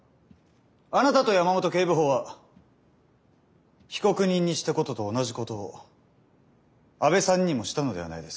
あなたと山本警部補は被告人にしたことと同じことを阿部さんにもしたのではないですか？